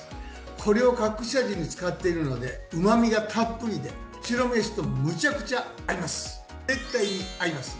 これを隠し味に使っているのでうまみがたっぷりで、白めしとむちゃくちゃ合います。